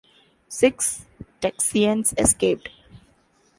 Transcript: Six Texians escaped.